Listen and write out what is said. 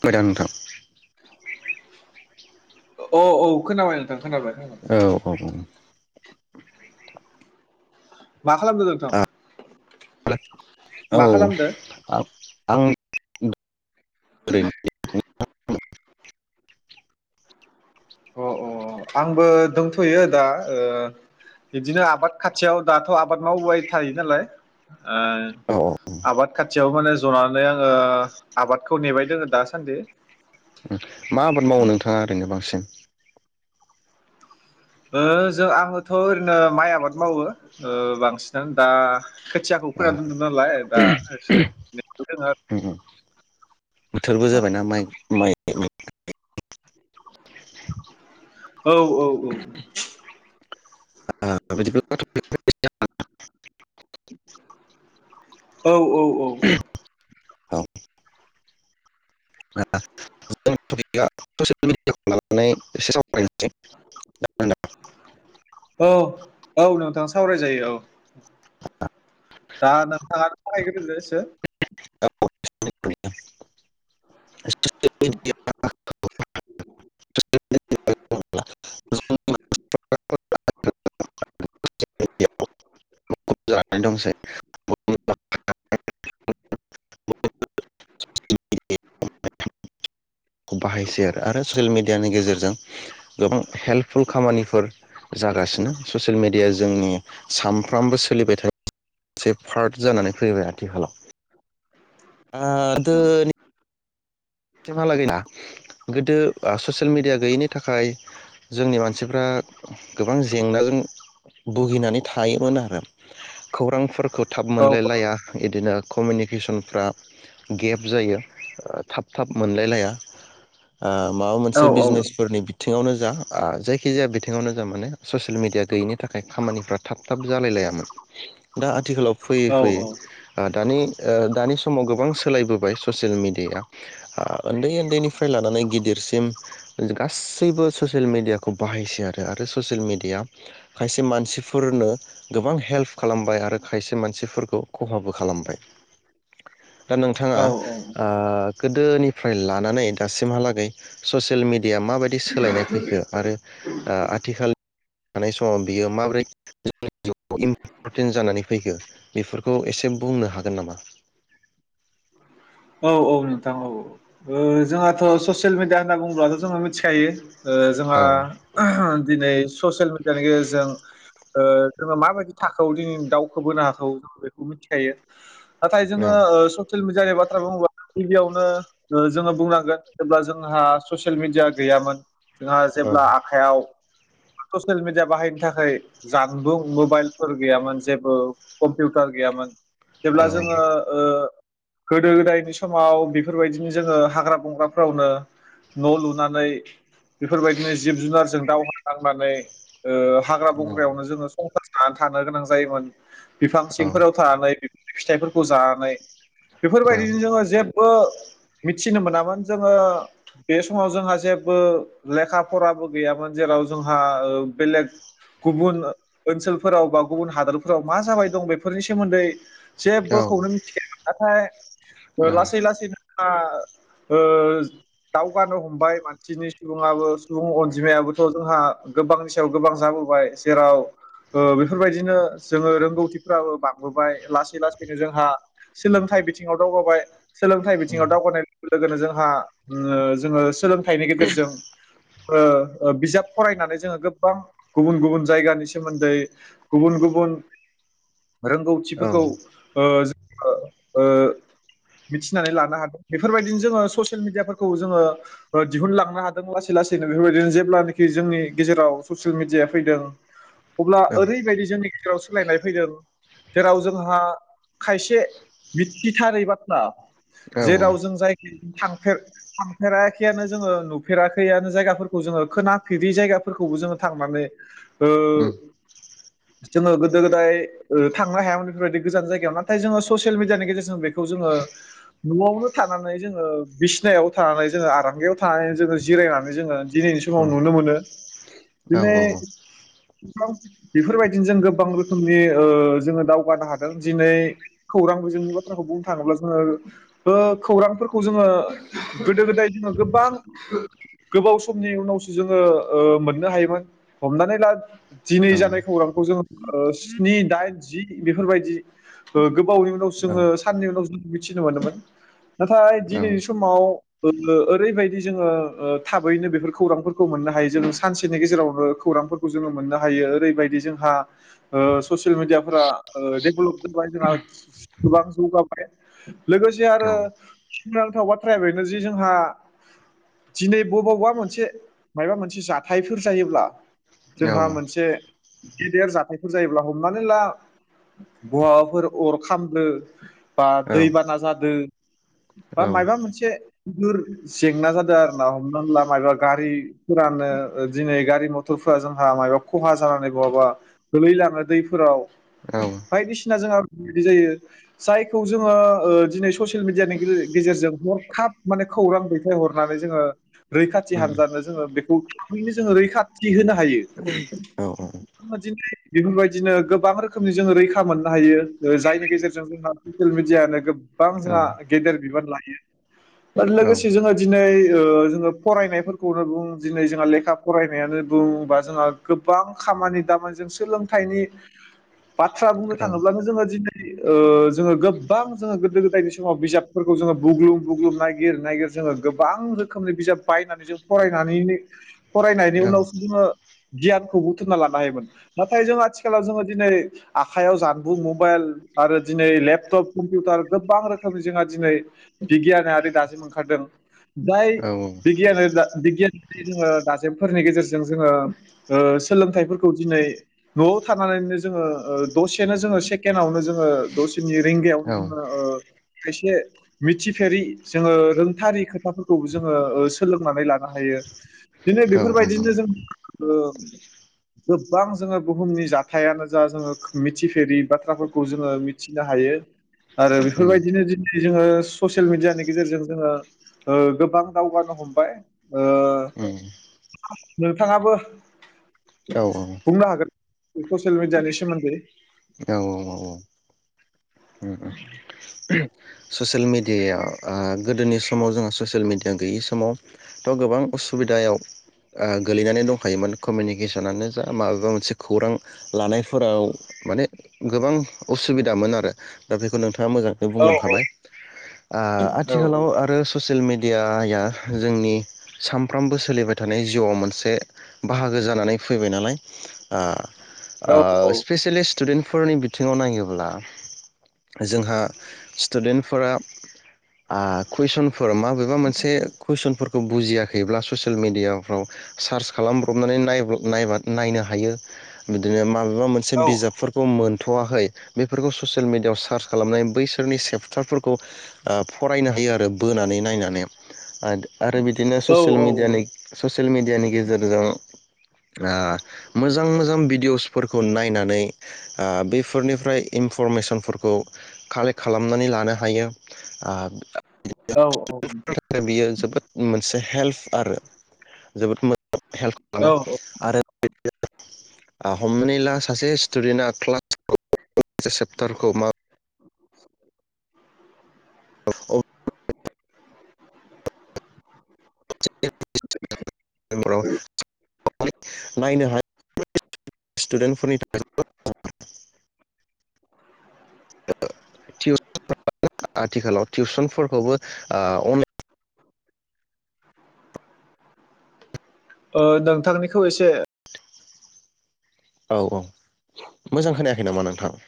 बोरो नोंथां? अ औ खोनाबाय नो थां खोनाबाय खोनाबाय औ औ [unintelligible] मा खालामदो नोंथां आं औ मा खालामदो आ आं [unintelligible] अ अ आंबो दंथ'यो दा ओ बिदिनो आबाद खाथियाव दाथ' आबाद मावबाय थायो नालाय ओ औ औ आबाद खाथियाव माने जनानै आङो आबादखौ नेबाय दङ दासान्दि । मा आबाद मावो नोंथाङा ओरैनो बांसिन? ओ जों आङोथ' ओरैनो माइ आबाद मावो बांसिनानो दा। खोथियाखौ फोना दोनदों नालाय। [inaudible] बोथोरबो जाबायना माइ माइ। [inaudible] औ औ औ [inaudible] औ औ औ औ औ [inaudible] [inaudible] [inaudible] औ औ नोंथाङा सावराय जायो औ। दा नोंथाङा सावरायग्रोदो एसे। [inaudible] [inaudible] [inaudible] [unintelligible] [inaudible] [unintelligible] [unintelligible] [inaudible] खौ बाहायसै आरो ससियेल मि मिडियानि गेजेरजों गोबां हेल्पफुल खामानिफोर जागासिनो। ससियेल मेडिया जोंनि साम सानफ्रामबो सोलिबाय थानाय पार्ट जानानै फैबाय आथिखालाव। [inaudible] सिमहालागैना गोदो ससियेल मिडिया गैयैनि थाखाय जोंनि मानसिफ्रा गोबां जेंनाजों भुगिनानै थायोमोन आरो खौरांफोरखौ थाब औ मोनलायलाया। बिदिनो कमिउनिकेसनफ्रा गेप जायो थाब थाब मोनलायलाया माबा औ मोनसे बिजनेसफोरनि बिथिङावनो जा जायखिजाया बिथिङावनो जा माने ससियेल मिडिया गैयिनि थाखाय खामानिफ्रा थाब थाब जालाय लायामोन दा आथिखालाव फैयै औ फैयै दानि दानि समाव गोबां सोलायबोबाय ससियेल मिडियाया। उन्दै उन्दैनिफ्राय लानानै गिदिर। सिम गासैबो ससियेल मिडियाखौ बाहायसै आरो ससियेल मिडिया खायसे मानसिफोरनो गोबां हेल्प खालामबाय आरो खायसे मानसिफोरखौ खहाबो खालामबाय दा नोंथाङा औ ओ। गोदोनिफ्राय लानानै दासिमहालागै ससि येल मिडिया माबायदि सोलायनाय फैखो आरो ओ आथिखाल थानाय समाव बियो माबोरै [inaudible] इम्पर्टेन्ट जानानै फैखो बेफोरखौ एसे बुंनो हागोन नामा औ औ नोंथां औ औ ओ जोंहाथ' ससियेल मिडिया होनना बुंङोब्लाथ' जोङो मिथिखायो। ओ जोंहा। औ दिनै ससियेल मिडियानि गेजेरजों ओ जोङो माबायदि थाखोआव दिनै दावखो बोनो हाथौ जोङो बेखौ मिथिखायो। नाथाय औ जोङो ओ ससियेल मिडिया एबा होनना बुङोब्ला गिबियावनो जोङो बुंनांगोन जेब्ला जोंहा ससियेल मिडिया गैयामोन। जोंहा औ जेब्ला आखाइयाव। ससियेल मिडिया बाहायनो थाखाय जानबुं मबाइलफोर गैयामोन जेबो कम्पिउटार गैयामोन। औ जेब्ला जोङो ओ। गोदो गोदायनि समाव बेफोरबायदिनो जोङो हाग्रा बंग्राफोरावनो न' लुनानै बेफोरबायदिनो जिब जुनारजों दावहा नांनानै। ओ हाग्रा बंग्रायावनो जोङो संसार जाना थानो गोनां जायोमोन। बिफां सिंफोराव थानानै। फिथाइफोरखौ जानानै। औ बेफोरबायदिनो जोङो जे बो मिथिनो मोनामोन जोङो बे समाव जोंहा जेबो लेखा फराबो गैयामोन जेराव जोंहा ओ बेलेग गुबुन ओनसोलफोराव बा गुबुन हादोरफोराव मा जाबाय दं बेफोरनि सोमोन्दै। औ जेबोखौनो मिथिखाया मोन। फाय ओ औ लासै लासैनो फा ओ दावगानो हमबाय मानसिनि सुबुङाबो सुबुं अनजिमायाबोथ' जोंहा गोबांनि सायाव गोबां जाबोबाय जेराव ओ बेफोरबायदिनो जोङो रोंगौथिफ्राबो बांबोबाय लासै लासैनो जोंहा सोलोंथाइ बिथिङाव दावगाबाय सोलोंथाइ बिथिङाव दावगानायनिफ्राय लोगोनो जोंहा ओ जोङो सोलों थाइनि गेजेरजों ओ ओ बिजाब फरायनानै जोङो गोबां गुबुन गुबुन जायगानि सोमोन्दै गुबुन गुबुन रोंगौथिफोरखौ ओ जों औ ओ मिथिनानै लानो हादों बेफोरबायदिनो जोङो ससियेल मिडियाफोरखौ जोङो ओ दिहुनलांनो हादों लासै लासैनो बेफोरबायदिनो जेब्लानोखि जोंनि गेजेराव ससियेल मिडियाया फैदों अब्ला ओरैबायदि जोंनि गेजेराव सोलायनाय फैदों जेराव जोंहा खायसे मिथिथारै बाथ्रा जेरावजों जायनि थांफेराखैयानो जोङो नुफेराखैआनो जायगाफोरखौ जोङो खोनाफेरि जायगाफोरखौबो जोङो थांनानै औ जोङो गोदो गोदाय थांनो हायामोन बेफोरबायदि गोजान जायगायाव नाथाय जोङो ससियेल मिडिया गेजेरजों बेखौ जोङो न'आवनो थानानै जोङो बिसिनायाव थानानै जोङो आरांगायाव थानानै जोङो जिरायनानै जोङो दिनैनि समाव नुनो मोनो औ दिनै औ बेफोरबायदिनो जों गोबां रोखोमनि जोङो दावगानो हादों दिनै खौरां जोंनि बाथ्राखौ बुंनो थाङोब्ला जोङो खौरांफोरखौ जोङो गोदो गोदाय जोङो गोबां गोबाव समनि उनावसो जोङो मोननो हायोमोन हमनानै ला दिनै जानाय खौरांखौ जोङो स्नि दाइन जि बेफोरबायदि गोबावनि उनावसो जोङो सानननि उनाव जों मिथिनो मोनोमोन नाथाय दिनैनि समाव ओरैबायदि जोङो थाबैनो बेफोर खौरांफोरखौ मोननो हायो जो सानसेनि गेजेरावनो खौरांफोरखौ जोङो मोननो हायो ओरैबायदि जोंहा ससियेल मिडियाफोरा डेभेलप जाबाय जोंहा गोबां जौगाबाय लोगोसे आरो सोमोनांथाव बाथ्राया बेनो जे जोंहा दिनै बबावबा मोनसे माबा मोनसे जाथायफोर जायोब्ला जोंहा मोनसे गेदेर जाथायफोर जायोब्ला हमनानै ला बहाबाफोर अर खामो बा दैबाना जादों बा माबा मोनसेुर जेंना जादों आर ना हमनानै ला मबा गारिफोरानो दिनै गारि मथरफोरा जोंहा मबा खहा जानानै बहाबा गोलैलाङो दैफोराव बायदिसिना जोंहादि जायो जायखौ जोङो दिनै ससियेल मिडियानि गेजेरजों हरखाब माने खौरां दैथाय हरनानै जोङो रैखाथि हानजानो जोङो बेखौ थाबैनो जोङो रैखाथि होनो हायो दिनै बेफोरबायदिनो गोबां रोखोमनि जोङो रैखा मोननो हायो जायनि गेजेरजों जों जों ससियेल मिडियनो गोबां जोंहा गेदेर बिबान लायो आरो लोगोसे जोङो दिनै जोङो फरायनायफोरखौनो बुं दिनै जोंहा लेखा फरायनायानो बुं बा जोंहा गोबां खामानि दामानि जों सोलोंथाइनि बाथ्रा बुंनो थाङोब्लानो जोङो दिनै जोङो गोबां जोङो गोदो गोदायनि समाव बिजाबफोरखौ जोङो बुग्लुं बुग्लुं नायागिर ननायागिर जोङो गोबां रोखोमनि बिजाब बायनानै जों फरायनानै फरायनायनि उनावसो जोङो गियानखौ बुथुमना लानो हायोमोन नाथाय जों आथिखालाव जोङो दिनै आखाइयाव जानबुं मबाइल आरो दिनै लेपटप कम्पिउटार गोबां रोखोमनि जोंहा दिनै बिगियानारि दाजेम ओंखारदों जाय बिगियान बिगियानारि जोङो दाजेमफोरनि गेजेरजों जोङो सोलोंथाइफोरखौ दिनै न'आव थानानैनो जोङो दसेनो जोङो सेकेणडआवनो जो दसेनि रिंगायावनो जोङो खायसे मिथिफेरि जोङो रोंथारि खोथाफोरखौबो जोङो सोलोंनानै लानो हायो बिदिनो बेफोरबायदिनो जों गोबां जोङो बुहुमनि जाथायानो जा जोङो मिथिफेरि बाथ्रा खौ जोङो मिथिनो हायो आरो बेफोरबायदिनो दिनै जोङो ससियेल मिडियानि गेजेरजों जोङो गोबां दावगानो हमबाय नोंथाङाबो बुंनो हागोन ससियेल मिडियानि सोमोन्दै [inaudible] ससियेल मेडियायाव गोदोनि समाव जोंहा ससियेल मेडियायाव गैयि समावथ' गोबां उसुबिदायाव गोलैनानै दंखायोमोन कमिउनिकेसनानो जा माबेबा मोनसे खौरां लानायफोराव माने गोबां उसुबिदामोन आरो दा बेखौ नोंथां मोजाङैनो औ औ बुंलांखाबाय औ आथिखालाव औ आरो ससियेल मेडियाया जोंनि सामफ्रामबो सोलिबाय थानाय जिउआव मोनसे बाहागो जानानै फैबाय नालाय आ औ औ ओ स्पेसियेलिस्ट स्टुडेन्टफोरनि बिथिङाव नायोब्ला जोंहा स्टुडेन्टफोरा ओ कुइसन फोर माबेबा मोनसे कुइसनफोरखौ बुजियाखैब्ला ससियेल मिडियाफ्राव सार्च खालामब्रबनानै नायब-नायबा नायनो हायो बिदिनो माल माबा मोनसे औ बिजाबफोरखौ मोन थ'वाखै बे बेफोरखौ ससियेल मिडियाआव सार्च खालामनाय बैसोरनि सेफ फटारफोरखौ फरायनो हायो आरो बोनानै नायनानै। [unintelligible] आरो आरो बिदिनो ससियेल औ मिडियानि-ससियेल मिडियानि गेजेरजों ओ मोजां-मोजां भिडिअ'सफोरखौ नायनानै ओ बेफोरनिफ्राय एनपु फरमेसनफोरखौ कालेक्ट खालामनानै ला नो हायो आ औ [inaudible] बियो जोबोद मोनसे हेल्फ आरो जोबोद मो [inaudible] हेल्प आरो औ आरो [inaudible] हमनानै ला सासे स्टुडेन्टआ [inaudible] मोनसे सेेप्टारखौ मा [inaudible] [inaudible] [inaudible] [inaudible] नायनो हा [inaudible] स्टुडेन्टफोरनि [inaudible] [inaudible] [inaudible] आथिखालाव टिउसनफोरखौबो ओ अन [inaudible] ओ नोंथांनिखौ एसे औ-औ मोजां खोनायाखै नामा नोंथां।